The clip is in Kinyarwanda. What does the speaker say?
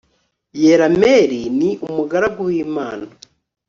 yerameli ni umugaragu w imana